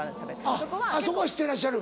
あっそこは知ってらっしゃる？